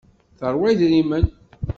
Teṛwa idrimen.